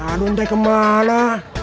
si adon teh kemana